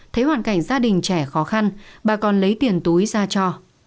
thấy hoàn cảnh gia đình trẻ khó khăn bà còn lấy tiền túi ra cho